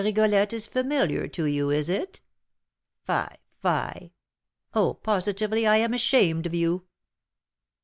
Rigolette is familiar to you, is it? Fie, fie! Oh, positively I am ashamed of you!"